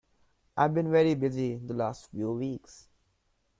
I've been very busy the last few weeks.